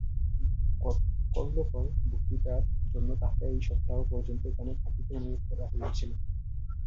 গতকল্যকার বক্তৃতার জন্য তাঁহাকে এই সপ্তাহ পর্যন্ত এখানে থাকিতে অনুরোধ করা হইয়াছিল।